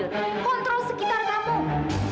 kontrol sekitar kamu